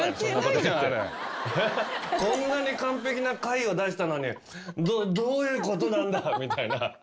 こんなに完璧な解を出したのにどういうことなんだみたいな。